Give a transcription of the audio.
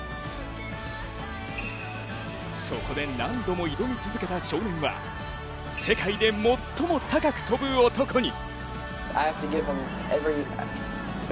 そこで何度も挑み続けた少年は世界で最も高く跳ぶ男に。